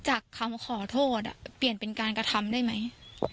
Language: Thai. จากคำขอโทษเปลี่ยนเป็นการกระทำได้ไหม